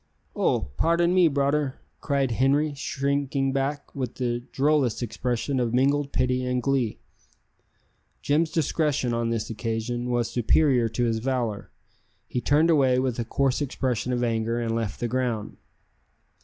"Oh! pardon me, broder," cried Henri, shrinking back, with the drollest expression of mingled pity and glee. Jim's discretion, on this occasion, was superior to his valour; he turned away with a coarse expression of anger and left the ground.